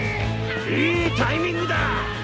いいタイミングだ。